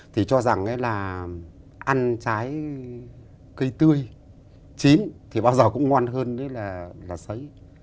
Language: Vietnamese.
thì cho rằng là ăn trái cây tươi chín thì bao giờ cũng ngon hơn là xấy